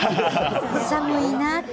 寒いなって。